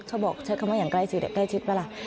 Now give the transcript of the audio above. เขาบอกชัดคำว่าอย่างใกล้ชิดแต่ใกล้ชิดเวลา